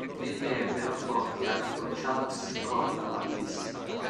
Egli ebbe rapporti anche con Charles Cornwallis.